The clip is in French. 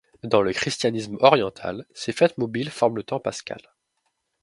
Dans le christianisme oriental, ces fêtes mobiles forment le temps pascal.